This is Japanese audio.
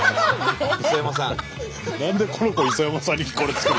何でこの子が磯山さんにこれ作る。